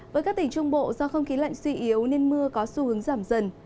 với các tỉnh trung bộ do không khí lạnh suy yếu nên mưa có xu hướng giảm dần